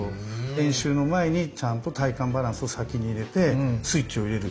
練習の前にちゃんと体幹バランスを先に入れてスイッチを入れる。